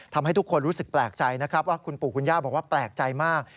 ทำให้ทุกคนรู้สึกแปลกใจนะครับว่าคุณปู่คุณย่าบอกว่าแปลกใจมาก